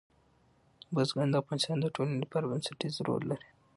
بزګان د افغانستان د ټولنې لپاره بنسټیز رول لري.